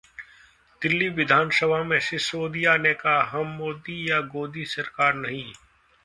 दिल्ली विधानसभा में सिसोदिया ने कहा- हम मोदी या 'गोदी' सरकार नहीं